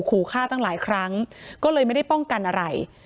ขู่ฆ่าตั้งหลายครั้งก็เลยไม่ได้ป้องกันอะไร